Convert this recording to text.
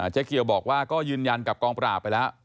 เจ๊เกียวบอกว่าก็ยืนยันกับกองปราบไปแล้ว